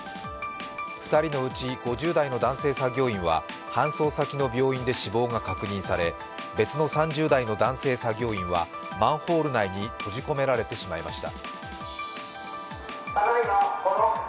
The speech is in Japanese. ２人のうち５０代の男性作業員は搬送先の病院で死亡が確認され別の３０代の男性作業員はマンホール内に閉じ込められてしまいました。